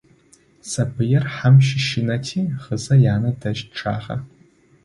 Сабыир хьэм щэщынэти, гъызэ янэ дэжь чъагъэ.